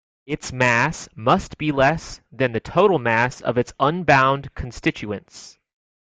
Its mass must be less than the total mass of its unbound constituents.